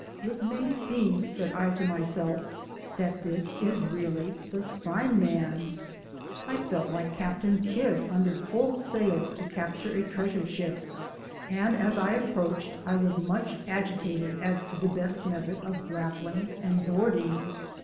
"It may be," said I to myself, "that this is really the sign man!" I felt like Captain Kidd under full sail to capture a treasure ship; and as I approached I was much agitated as to the best method of grappling and boarding.